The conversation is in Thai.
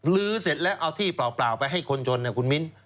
ลื้อเสร็จแล้วเอาที่เปล่าไปให้คนจนคุณมิ้น